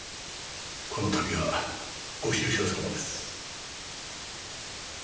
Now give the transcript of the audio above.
この度はご愁傷さまです。